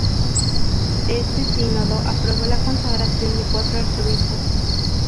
Este sínodo aprobó la consagración de cuatro arzobispos.